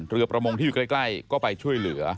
ประมงที่อยู่ใกล้ก็ไปช่วยเหลือ